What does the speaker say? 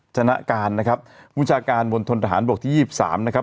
จนการนะครับมุชาการมนตรฐานบกที่๒๓นะครับ